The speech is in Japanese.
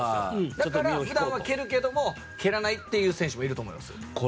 だから普段は蹴るけども蹴らないっていう選手もいると思います。